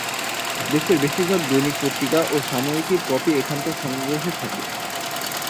দেশের বেশির ভাগ দৈনিক পত্রিকা ও সাময়িকীর কপি এখানকার সংগ্রহে থাকে।